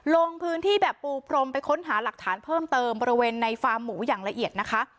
ลงพื้นที่แบบปูพรมไปค้นหาหลักฐานเพิ่มเติมบริเวณในฟาร์มหมูอย่างละเอียดนะคะ